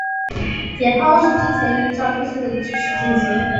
解剖是之前依照医生的指示进行。